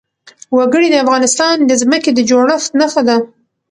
وګړي د افغانستان د ځمکې د جوړښت نښه ده.